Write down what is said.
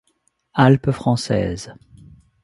Alpes françaises.